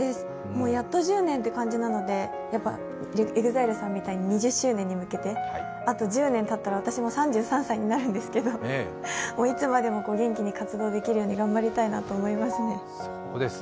やっと１０年という感じなのでＥＸＩＬＥさんみたいに２０周年に向けてあと１０年たったら私も３３歳になるんですけどいつまでも元気に活動できるように頑張りたいなと思います。